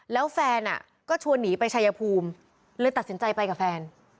แล้วแฟนก็ชวนหนีไปชายภูมิเลยตัดสินใจไปกับแฟน